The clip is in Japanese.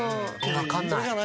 わかんない。